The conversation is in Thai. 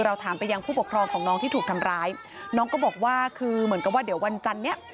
ถามไปยังผู้ปกครองของน้องที่ถูกทำร้ายน้องก็บอกว่าคือเหมือนกับว่าเดี๋ยววันจันทร์เนี้ย